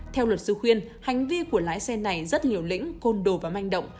theo luật sư khuyên hành vi của lái xe này rất liều lĩnh côn đồ và manh động